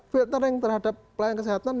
filtering terhadap pelayanan kesehatan